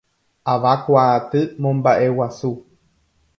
Avakuaaty momba'eguasu.